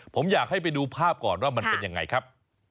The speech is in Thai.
ผมอยากให้ไปดูภาพก่อนว่ามันเป็นยังไงครับ